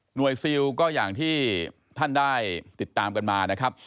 ซิลก็อย่างที่ท่านได้ติดตามกันมานะครับ